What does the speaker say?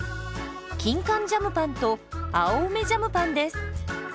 キンカンジャムパンと青梅ジャムパンです。